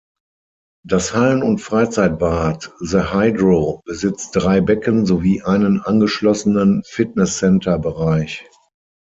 Das Hallen- und Freizeitbad "The Hydro" besitzt drei Becken sowie einen angeschlossenen Fitnesscenter-Bereich.